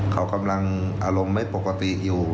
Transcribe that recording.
เขากำลังอารมณ์ไม่ปกติอยู่